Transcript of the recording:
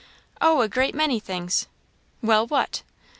"Oh, a great many things." "Well, what?"